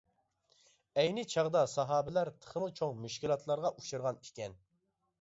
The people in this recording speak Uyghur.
ئەينى چاغدا ساھابىلەر تېخىمۇ چوڭ مۈشكۈلاتلارغا ئۇچرىغان ئىكەن.